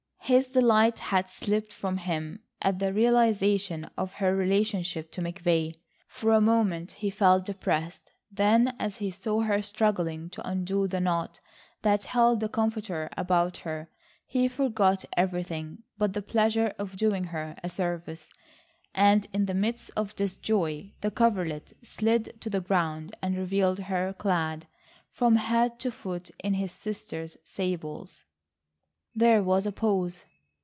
His delight had slipped from him at the realisation of her relationship to McVay. For a moment he felt depressed, then as he saw her struggling to undo the knot that held the comforter about her, he forgot everything but the pleasure of doing her a service. And in the midst of this joy, the coverlet slid to the ground and revealed her clad from head to foot in his sister's sables. There was a pause.